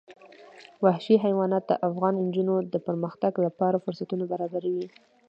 وحشي حیوانات د افغان نجونو د پرمختګ لپاره فرصتونه برابروي.